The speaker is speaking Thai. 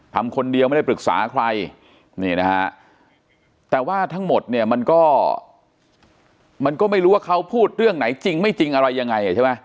ทำคนเดียวไม่ได้ปรึกษาใครนี่นะฮะแต่ว่าทั้งหมดเนี่ยมันก็มันก็ไม่รู้ว่าเขาพูดเรื่องไหนจริงไม่จริงอะไรยังไงใช่ไหม